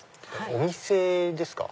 お店ですか？